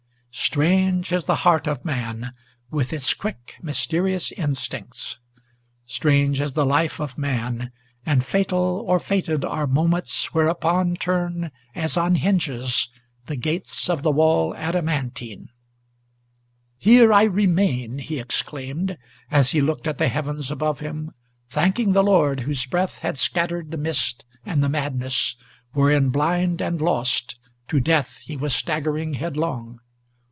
Strange is the heart of man, with its quick, mysterious instincts! Strange is the life of man, and fatal or fated are moments, Whereupon turn, as on hinges, the gates of the wall adamantine! "Here I remain!" he exclaimed, as he looked at the heavens above him, Thanking the Lord whose breath had scattered the mist and the madness, Wherein, blind and lost, to death he was staggering headlong.